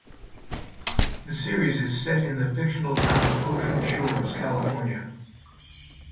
The series is set in the fictional town of Ocean Shores, California.